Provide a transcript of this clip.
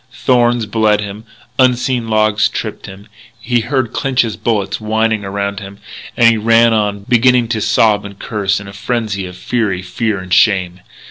Thorns bled him; unseen logs tripped him; he heard Clinch's bullets whining around him; and he ran on, beginning to sob and curse in a frenzy of fury, fear, and shame.